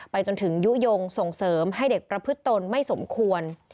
จนถึงยุโยงส่งเสริมให้เด็กประพฤติตนไม่สมควร